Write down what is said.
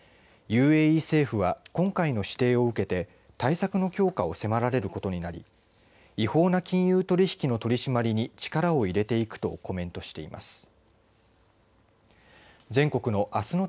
ＵＡＥ政府は今回の指定を受けて対策の強化を迫られることになり違法な金融取引の取締りに力を入れていくとコメントしています。